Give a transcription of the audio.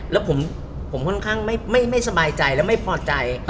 แล้วผมค่อนข้างไม่สบายใจและไม่พอใจ